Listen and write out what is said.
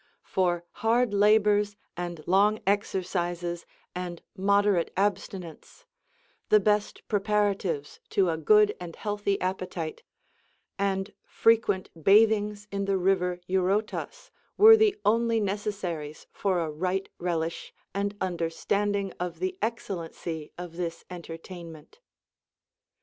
For hard labors and long exercises and moderate abstinence (the best preparatives to a good and healthy ap petite) and frequent bathings in the river Eurotas were the only necessaries for a right relish and understanding of the excellency of this entertainment.